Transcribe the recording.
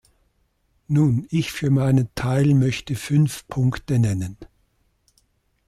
Nun, ich für meinen Teil möchte fünf Punkte nennen.